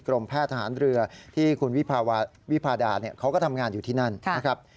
แพทย์ทหารเรือที่คุณวิพาดาเขาก็ทำงานอยู่ที่นั่นนะครับ